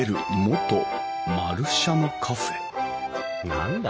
何だ？